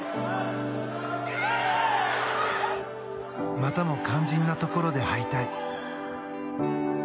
またも肝心なところで敗退。